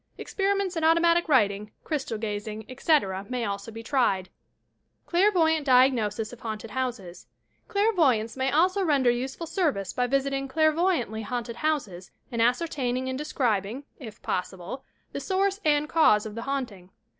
Experi ments in automatie writing, crystal gazing, etc., may also be tried. CI^AIBVOYANT DIAGNOSIS OP HAUNTED HODSES Clairvoyants may also render useful service by visiting clairvoyantly haunted houses and ascertaining and de scribing, if possible, the source and cause of the haunting.